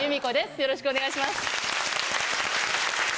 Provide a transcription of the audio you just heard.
よろしくお願いします。